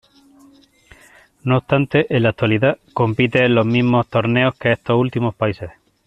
No obstante, en la actualidad, compite en los mismos torneos que estos últimos países.